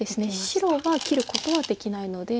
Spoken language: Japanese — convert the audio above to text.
白が切ることはできないので。